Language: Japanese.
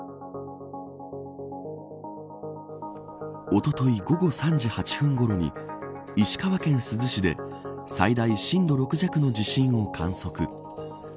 おととい午後３時８分ごろに石川県珠洲市で最大震度６弱の地震を観測。